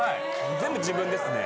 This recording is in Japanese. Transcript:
全部自分ですね。